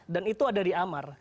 dan itu ada di amar